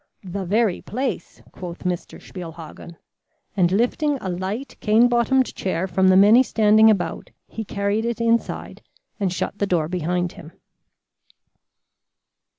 "The very place," quoth Mr. Spielhagen, and lifting a light cane bottomed chair from the many standing about, he carried it inside and shut the door behind him.